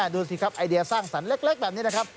ดูสิครับไอเดียสร้างสรรค์เล็กแบบนี้นะครับ